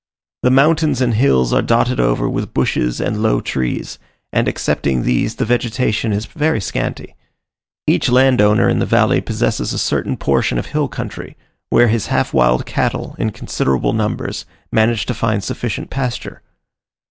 The mountains and hills are dotted over with bushes and low trees, and excepting these the vegetation is very scanty. Each landowner in the valley possesses a certain portion of hill country, where his half wild cattle, in considerable numbers, manage to find sufficient pasture.